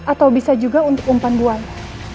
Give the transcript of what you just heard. atau bisa juga untuk umpan buang